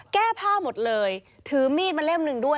แก้ผ้าหมดเลยถือมีดมาเล่มหนึ่งด้วย